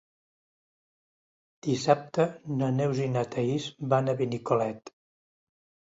Dissabte na Neus i na Thaís van a Benicolet.